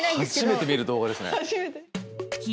初めて見る動画ですね。